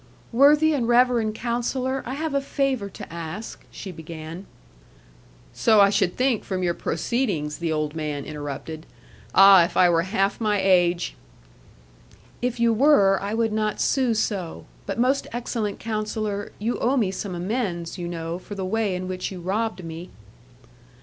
'Worthy and reverend Counsellor, I have a favour to ask,' she began. 'So I should think from your proceedings,' the old man interrupted 'ah, if I were half my age' 'If you were, I would not sue so. But most excellent Counsellor, you owe me some amends, you know, for the way in which you robbed me.'